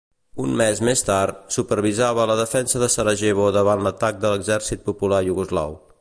Un mes més tard, supervisava la defensa de Sarajevo davant l'atac de l'Exèrcit Popular Iugoslau.